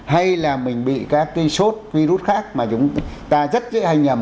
hay là mình bị các cái sốt virus khác mà chúng ta rất dễ hay nhầm